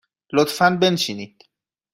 لطفاً بنشینید.